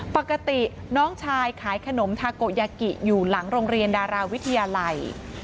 ปกติน้องชายขายขนมทาโกยากิอยู่หลังโรงเรียนดาราวิทยาลัย